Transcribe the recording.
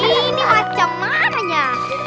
ini macam mananya